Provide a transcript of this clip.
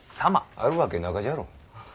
あるわけなかじゃろう。